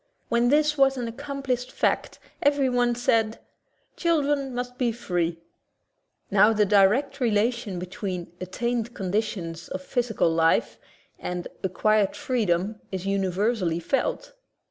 When this was an ac complished fact everyone said : "Children must be free/' Now the direct relation be tween "attained conditions of physical life" and "acquired freedom" is universally felt.